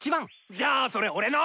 じゃあそれ俺の！